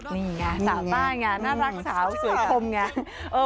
นี่ไงสาวใต้ไงน่ารักสาวสวยคมไง